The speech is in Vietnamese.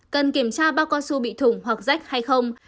cần kiểm tra bao con su bị thủng hoặc rách hay không